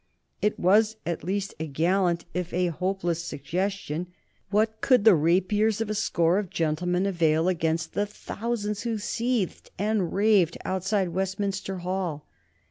It was at least a gallant if a hopeless suggestion. What could the rapiers of a score of gentlemen avail against the thousands who seethed and raved outside Westminster Hall?